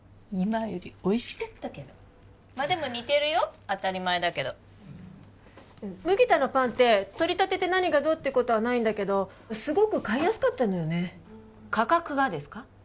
今よりおいしかったけどまあでも似てるよ当たり前だけど麦田のパンって取り立てて何がどうってことはないんだけどすごく買いやすかったんだよね価格がですか？